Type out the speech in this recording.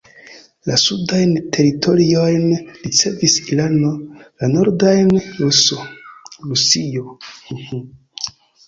La sudajn teritoriojn ricevis Irano, la nordajn Rusio.